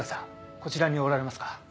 こちらにおられますか？